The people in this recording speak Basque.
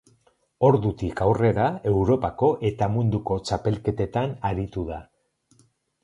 Ordutik aurrera Europako eta Munduko txapelketetan aritu da.